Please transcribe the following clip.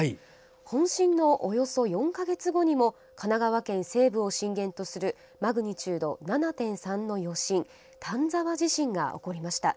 本震のおよそ４か月後にも神奈川県西部を震源とするマグニチュード７．３の余震丹沢地震が起こりました。